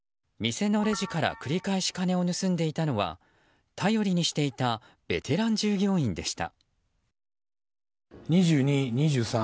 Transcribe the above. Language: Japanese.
店のレジから繰り返し金を盗んでいたのは頼りにしていたベテラン従業員でした。